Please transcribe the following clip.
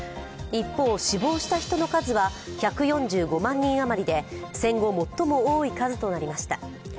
一方、死亡した人の数は１４５万人余りで戦後、最も多い数となりました。